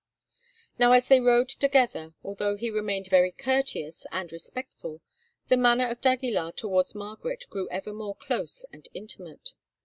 Now, as they rode together, although he remained very courteous and respectful, the manner of d'Aguilar towards Margaret grew ever more close and intimate.